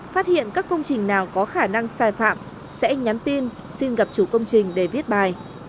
phát hiện các công trình nào có khả năng sai phạm sẽ nhắn tin xin gặp chủ công trình để viết bài